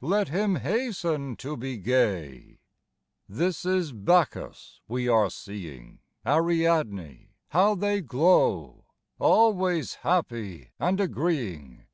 Let him hasten to be gay ! This is Bacchus we are seeing, Ariadne — ^how they glow I Always happy and agreeing.